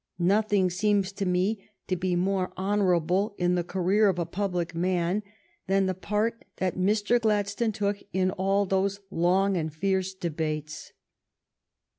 Nothing seems to me to be more honorable in the career of a public man than the part that Mr. Glad stone took in all those long and fierce debates.